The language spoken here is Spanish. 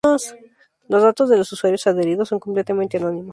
Los datos de los usuarios adheridos son completamente anónimos.